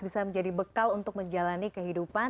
bisa menjadi bekal untuk menjalani kehidupan